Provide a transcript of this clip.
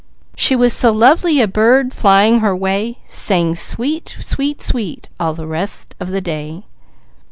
She was so lovely a bird flying her way, Sang "Sweet, sweet, sweet!" all the rest of the day.